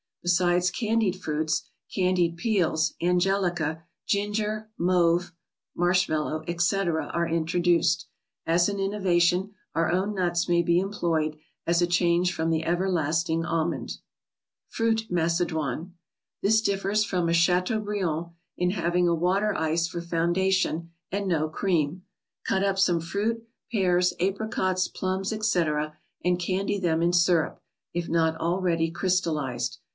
Besides candied fruits, candied peels, Angelica, ginger, mauve (Marshmallow), etc., are introduced. As an innovation, our own nuts may be employed, as a change from the ever¬ lasting almond. 4fmtt ^aceDotne. This ; d : ffer f from t a , afr eaubnand, in having a water ice for foundation, and no cream. Cut up some fruit, pears, apricots, plums, etc., and candy them in syrup, if not already crystalized.